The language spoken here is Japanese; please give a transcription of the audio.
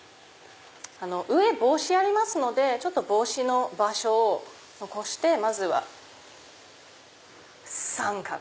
上帽子ありますのでちょっと帽子の場所を残してまずは三角。